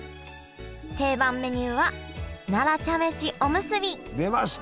定番メニューは奈良茶飯おむすび出ましたね！